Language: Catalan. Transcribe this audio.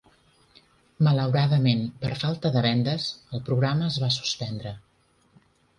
Malauradament, per falta de vendes, el programa es va suspendre.